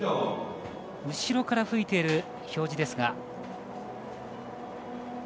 後ろから吹いている表示ですが。